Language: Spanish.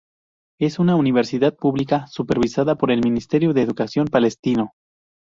Es una universidad pública, supervisada por el ministerio de educación palestino.